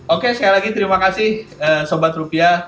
oke sekali lagi terima kasih sobat rupiah